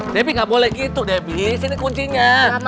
debi gak boleh gitu debi sini kuncinya